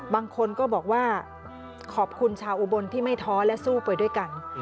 บางคนก็บอกว่าขอบคุณชาวอุบลที่ไม่ท้อและสู้ไปด้วยกัน